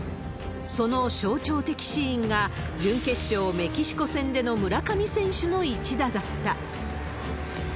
その象徴的シーンが、準決勝、メキシコ戦での村上選手の一打だった。